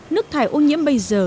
nước thải ô nhiễm bây giờ